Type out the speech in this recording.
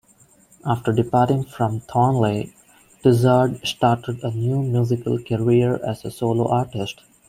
After departing from Thornley, Tizzard started a new musical career as a solo artist.